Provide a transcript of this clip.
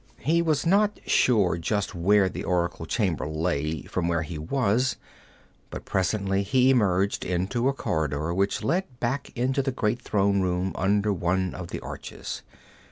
He was not sure just where the oracle chamber lay, from where he was, but presently he emerged into a corridor which led back into the great throne room under one of the arches.